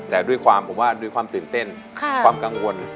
แต่ด้วยความทื่นเต้นความกังวล